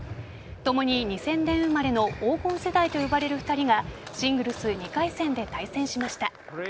ともに２０００年生まれの黄金世代と呼ばれる２人がシングルス２回戦で対戦しました。